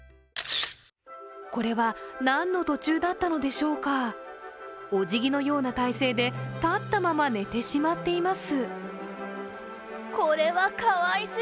これは何の途中だったのでしょうか、おじぎのような体勢で立ったまま寝てしまっています。